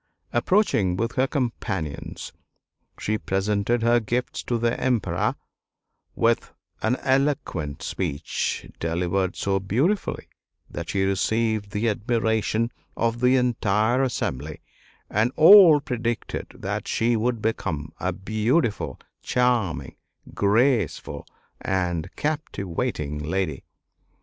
Approaching with her companions, she presented her gifts to the Emperor with an eloquent speech, delivered so beautifully that she received the admiration of the entire assembly, and all predicted that she would become a beautiful, charming, graceful, and captivating lady.